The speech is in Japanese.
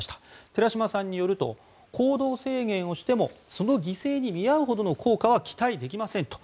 寺嶋さんによりますと行動制限をしてもその犠牲に見合うほどの効果は期待できませんと。